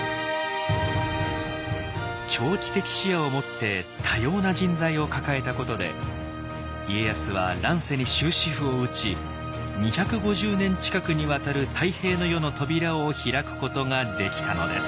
長期的視野をもって多様な人材を抱えたことで家康は乱世に終止符を打ち２５０年近くにわたる太平の世の扉を開くことができたのです。